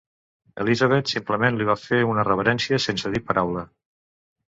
Elisabet simplement li va fer una reverència sense dir paraula.